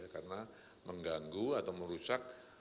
karena mengganggu atau merusak